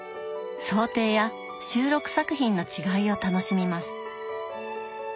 装丁や収録作品の違いを楽しみます。